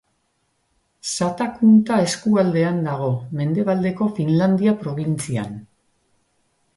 Satakunta eskualdean dago, Mendebaldeko Finlandia probintzian.